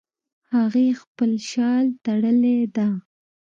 هغې خپل شال تړلی ده